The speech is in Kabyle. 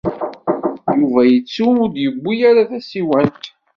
Yuba yettu ur d-yewwi ara tasiwant.